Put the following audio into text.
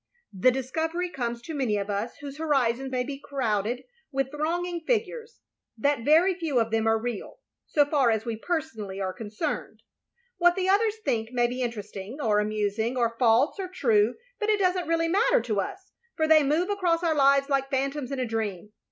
The discovery comes to many of us whose horizons may be crowded with thronging figures, — ^that very few of them are real, so far as we personally are concerned. What the others think may be interesting, or amusing, or false or true, but it does n't really matter to us; for they move across our lives like phantoms in a dream.